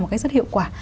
một cách rất hiệu quả